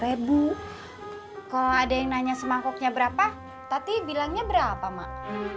kalo ada yang nanya semangkuknya berapa tati bilangnya berapa mak